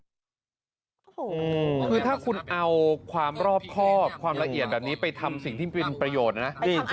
โอ้โหคือถ้าคุณเอาความรอบครอบความละเอียดแบบนี้ไปทำสิ่งที่เป็นประโยชน์นะ